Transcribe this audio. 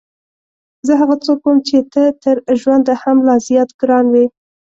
زه هغه څوک وم چې ته تر ژونده هم لا زیات ګران وې.